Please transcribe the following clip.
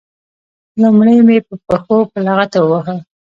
لومړی مې په پښو په لغته وواهه.